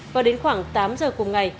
và đến khoảng tám h cùng ngày